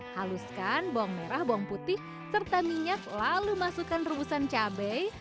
haluskan bawang merah bawang putih serta minyak lalu masukkan rebusan cabai